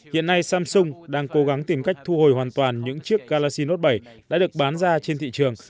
hiện nay samsung đang cố gắng tìm cách thu hồi hoàn toàn những chiếc galaxin hot bảy đã được bán ra trên thị trường